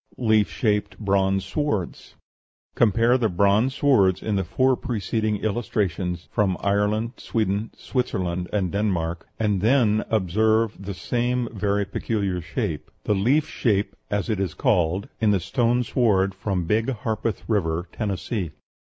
LEAF SHAPED BRONZE SWORDS Compare the bronze swords in the four preceding illustrations from Ireland, Sweden, Switzerland, and Denmark and then observe the same very peculiar shape the leaf shape, as it is called in the stone sword from Big Harpeth River, Tennessee.